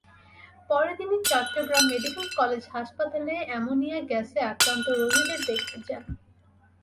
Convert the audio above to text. পরে তিনি Chittagong medical college হাসপাতালে অ্যামোনিয়া গ্যাসে আক্রান্ত রোগীদের দেখতে যান।